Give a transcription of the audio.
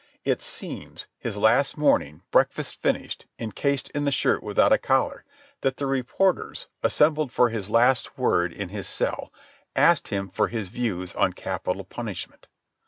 It seems, his last morning, breakfast finished, incased in the shirt without a collar, that the reporters, assembled for his last word in his cell, asked him for his views on capital punishment.